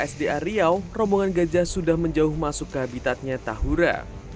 sda riau rombongan gajah sudah menjauh masuk ke habitatnya tahura